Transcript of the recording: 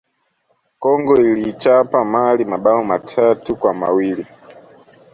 congo iliichapa Mali mabao matatu kwa mawili